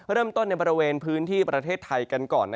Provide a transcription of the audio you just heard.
เริ่มต้นในบริเวณพื้นที่ประเทศไทยกันก่อน